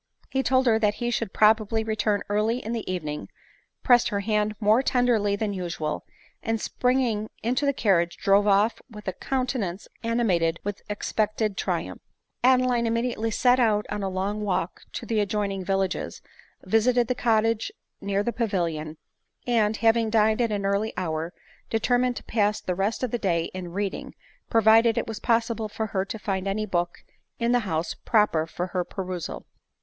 He told her that he should probably return early in the evening, pressed her hand more tenderly than usual, and springing into the carriage,, drove off v?th a countenance animated with expected triumph. Adeline immediately set out on a long walk to the N — ADELINE MOWBRAY. 71 adjoining villages, visited the cottages near the Pavilion, and, having dined at an early hour, determined to pass the rest of the day. in reading, provided it was possible for her to find any book in the house proper for her perusal.